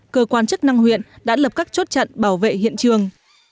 cơ quan chức năng huyện đã lập các chốt trận bảo vệ hiện trường